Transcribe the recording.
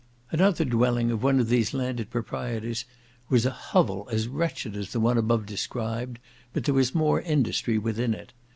Another dwelling of one of these landed proprietors was a hovel as wretched as the one above described, but there was more industry within it.